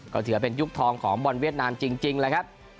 ก็ถือว่าเป็นยุคทองของบอลเวียดนามจริงแล้วครับ